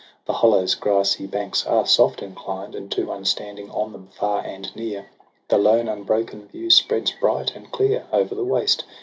The hollow's grassy banks are soft inclined, And to one standing on them, far and near The lone unbroken view spreads bright and clear Over the waste.